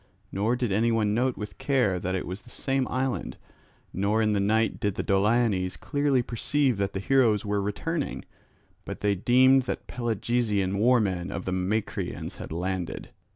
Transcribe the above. Nor did anyone note with care that it was the same island; nor in the night did the Doliones clearly perceive that the heroes were returning; but they deemed that Pelasgian war men of the Macrians had landed.